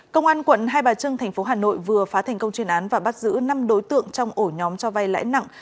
công an quận hai bà trưng tp hà nội vừa phá thành công chuyên án và bắt giữ năm đối tượng trong ổ nhóm cho vay lãi nặng